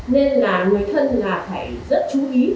nên là người thân là phải rất chú ý